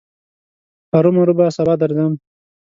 هرو مرو به سبا درځم.